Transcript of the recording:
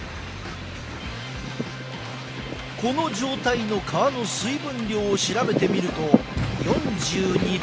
この状態の皮の水分量を調べてみると４２％。